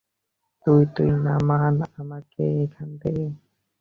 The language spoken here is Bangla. তুই, তুই, নামা আমাকে এখান থেকে।